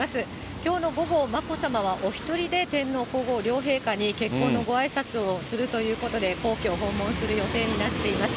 きょうの午後、眞子さまはお１人で天皇皇后両陛下に結婚のごあいさつをするということで、皇居を訪問する予定になっています。